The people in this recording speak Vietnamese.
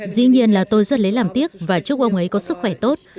dĩ nhiên là tôi rất lấy làm tiếc và chúc ông ấy có sức khỏe tốt